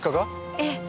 ええ。